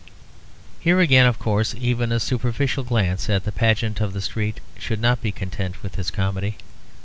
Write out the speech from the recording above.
Here again of course even a superficial glance at the pageant of the street should not be content with its comedy.